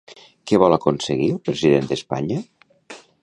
Què vol aconseguir el president d'Espanya?